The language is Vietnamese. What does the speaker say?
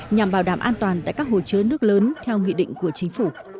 nhằm bảo đảm an toàn tại các hồ chứa nước lớn theo nghị định của chính phủ